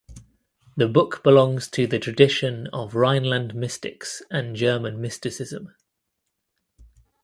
The book belongs to the tradition of Rhineland mystics and German mysticism.